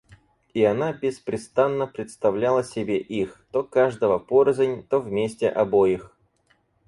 И она беспрестанно представляла себе их, то каждого порознь, то вместе обоих.